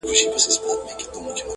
خو ټول حقيقت نه مومي هېڅکله